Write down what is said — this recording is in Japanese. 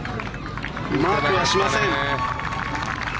マークはしません。